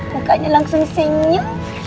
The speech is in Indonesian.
mukanya langsung senyum